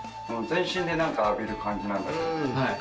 全身でなんか浴びる感じなんだけど。